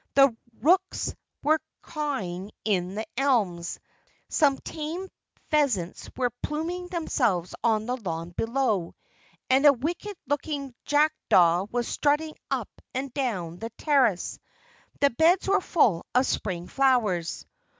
The rooks were cawing in the elms; some tame pheasants were pluming themselves on the lawn below; and a wicked looking jackdaw was strutting up and down the terrace. The beds were full of spring flowers.